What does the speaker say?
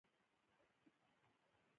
د زمرد کان په پنجشیر کې دی